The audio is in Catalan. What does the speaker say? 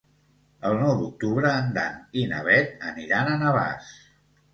El nou d'octubre en Dan i na Bet aniran a Navàs.